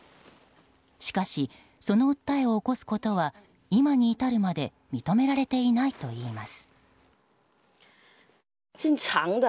しかし、その訴えを起こすことは今に至るまで認められていないといいます。